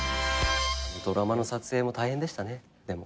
ドラマの撮影も大変でしたねでも。